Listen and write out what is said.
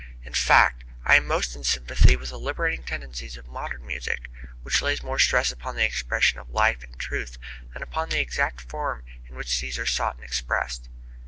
In fact, I am most in sympathy with the liberating tendencies of modern music, which lays more stress upon the expression of life and truth than upon the exact form in which these are sought to be expressed.